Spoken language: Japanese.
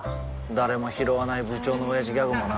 誰もひろわない部長のオヤジギャグもな